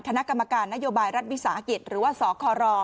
คณะกรรมการนโยบายรัฐวิสาหกิจหรือว่าสคร